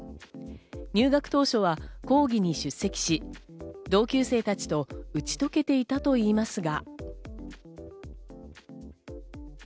入学当初は講義に出席し、同級生たちと打ち解けていたといいますが。